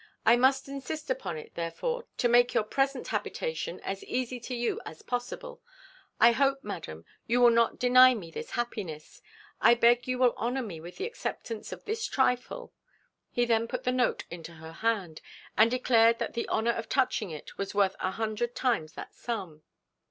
I must insist upon it, therefore, to make your present habitation as easy to you as possible I hope, madam, you will not deny me this happiness; I beg you will honour me with the acceptance of this trifle." He then put the note into her hand, and declared that the honour of touching it was worth a hundred times that sum.